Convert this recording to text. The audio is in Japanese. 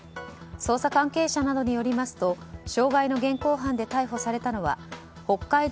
捜査関係者などによりますと傷害の現行犯で逮捕されたのは北海道